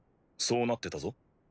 そうなってたぞ。